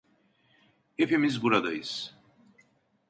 Hepimiz buradayız.